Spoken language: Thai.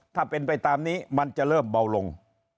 ถ้าเป็นไปตามนี้มันจะเริ่มเบาลง